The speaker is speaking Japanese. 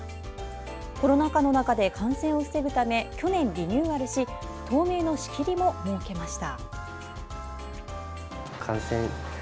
コロナ禍の中で、感染を防ぐため去年リニューアルし透明の仕切りも設けました。